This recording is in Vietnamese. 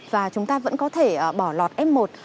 và chúng ta vẫn có thể bỏ lọt f một